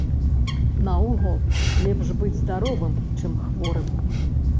Наогул, лепш быць здаровым, чым хворым.